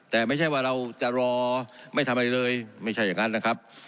แต่ไม่ใช่ว่าเราจะรอไม่ทำอะไรเลยไม่ใช่อย่างนั้นนะครับ